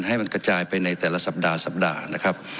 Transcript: ให้มันกระจายไปในแต่ละสัปดาห์